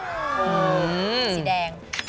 สีแดง